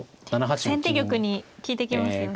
先手玉に利いてきますよね。